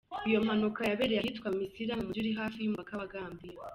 Iyo mpanuka yabereye ahitwa Missirah, mu mugi uri hafi y’ umupaka wa Gambia.